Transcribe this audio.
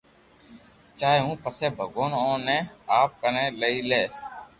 چاھي ھون پسي ڀگوان اوني آپ ڪني ليئي لي